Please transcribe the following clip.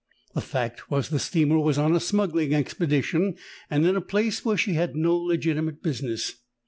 The fact was the steamer was on a smuggling expedition and in a place where she had no legitimate business.